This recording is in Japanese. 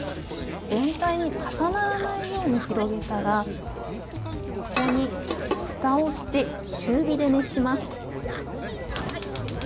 全体に重ならないように広げたらここに、ふたをして中火で熱します。